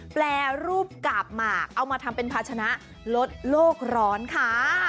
แปรรูปกาบหมากเอามาทำเป็นภาชนะลดโลกร้อนค่ะ